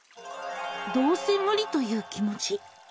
「どうせ無理」という気持ち。